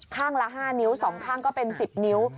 ข้างละ๕นิ้ว๒ข้างละ๑๐นิ้ว